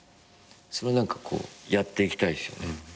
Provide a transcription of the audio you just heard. それは何かこうやっていきたいですよね